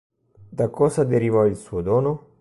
Da cosa deriva il suo dono?